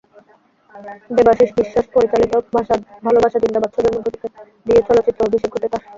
দেবাশীষ বিশ্বাস পরিচালিত ভালোবাসা জিন্দাবাদ ছবির মধ্য দিয়ে চলচ্চিত্রে অভিষেক ঘটে তাঁর।